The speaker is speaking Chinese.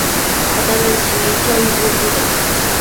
还担任其教育部长。